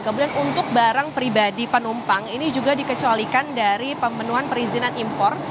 kemudian untuk barang pribadi penumpang ini juga dikecualikan dari pemenuhan perizinan impor